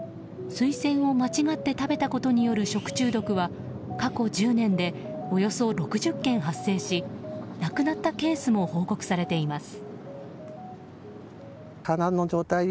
スイセンを間違って食べたことによる食中毒は過去１０年でおよそ６０件発生し亡くなったケースも報告されています。